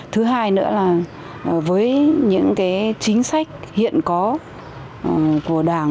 thứ hai nữa là với những chính sách hiện có của đảng